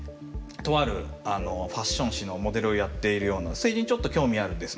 とあるファッション誌のモデルをやっているような政治にちょっと興味あるですね